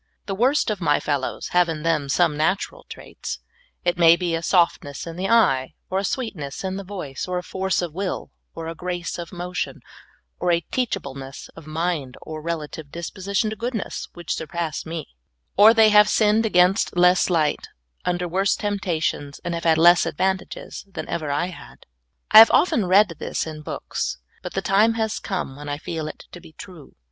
The worst of my fellows have in them some natural traits — it ma}^ be a softness in the eye, or a sweetness in the voice, or a force of will, or a grace of motion, or a teachableness of mind, or relative disposi tion to goodness — which surpass me ; or they have sinned against less light, under worse temptations, and have had less advantages than ever I had. I have often read this in books, but the time has come when I feel it to be true.